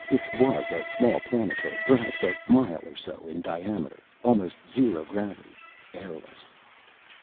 It was a small planetoid, perhaps a mile or so in diameter. Almost zero gravity. Airless.